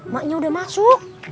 maknya udah masuk